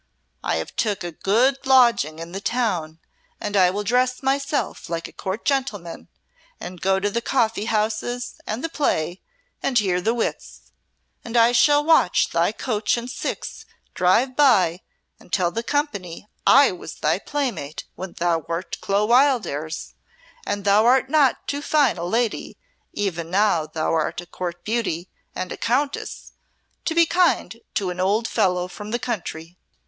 I have took a good lodging in the town, and I will dress myself like a Court gentleman and go to the coffee houses and the play, and hear the wits. And I shall watch thy coach and six drive by and tell the company I was thy playmate when thou wert Clo Wildairs; and thou art not too fine a lady, even now thou art a Court beauty and a Countess, to be kind to an old fellow from the country."